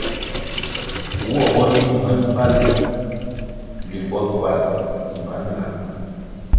Woh bo yi nuen bali limbo ckywal, yingan lab.